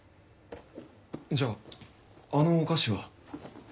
じゃああのお菓子は。